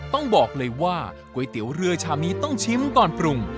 ต้องบอกเลยว่าก๋วยเตี๋ยวเรือชามนี้ต้องชิมก่อนปรุง